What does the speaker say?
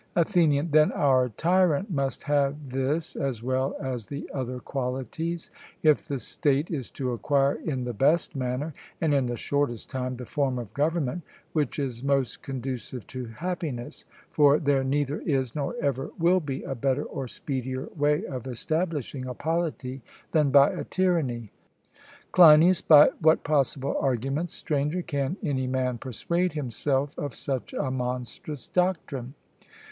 ATHENIAN: Then our tyrant must have this as well as the other qualities, if the state is to acquire in the best manner and in the shortest time the form of government which is most conducive to happiness; for there neither is nor ever will be a better or speedier way of establishing a polity than by a tyranny. CLEINIAS: By what possible arguments, Stranger, can any man persuade himself of such a monstrous doctrine?